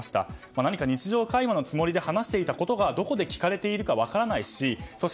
何か日常会話のつもりで話していたことがどこで聞かれているか分からないしそして